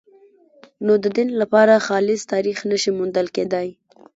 نو د دین لپاره خالص تاریخ نه شي موندل کېدای.